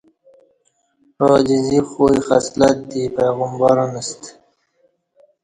عاجزی خوی خصلت دی پیغمبران ستہ